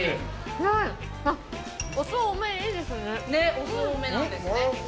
ねっお酢多めなんですね。